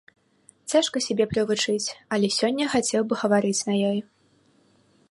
Цяжка сябе прывучыць, але сёння хацеў бы гаварыць на ёй.